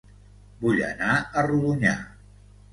Vull anar a Rodonyà